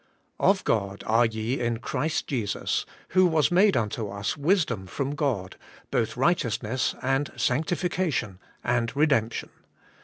*0f God are ye in Christ Jesus, who was made unto us wisdom from God, both righteousness and sanctification, and redemption.'